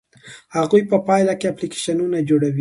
هغوی په پایله کې اپلیکیشنونه جوړوي.